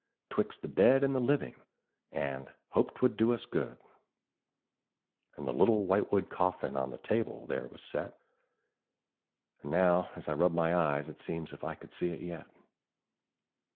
"'Twixt the dead and the living," and "hoped 'twould do us good;" And the little whitewood coffin on the table there was set, And now as I rub my eyes it seems as if I could see it yet.